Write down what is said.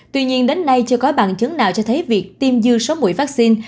tuy nhiên đến nay chưa có bằng chứng nào cho thấy việc tiêm dư số mũi vắc xin